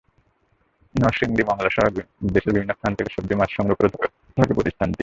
নরসিংদী, মংলাসহ দেশের বিভিন্ন স্থান থেকে সবজি, মাছ সংগ্রহ করে থাকে প্রতিষ্ঠানটি।